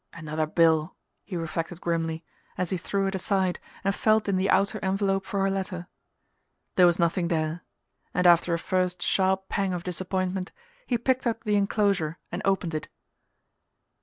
"Another bill!" he reflected grimly, as he threw it aside and felt in the outer envelope for her letter. There was nothing there, and after a first sharp pang of disappointment he picked up the enclosure and opened it.